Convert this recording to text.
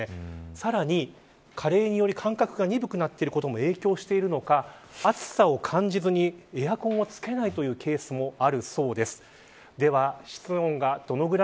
さらに加齢により感覚が鈍くなってることも影響してるのか暑さを感じずに、エアコンをつけないというケースもあるそうです。